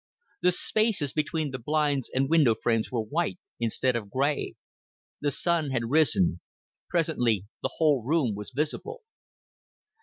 The spaces between the blinds and window frames were white instead of gray; the sun had risen; presently the whole room was visible.